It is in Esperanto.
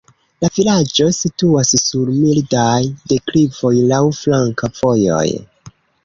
La vilaĝo situas sur mildaj deklivoj, laŭ flanka vojoj.